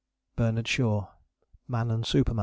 BERNARD SHAW, _Man and Superman.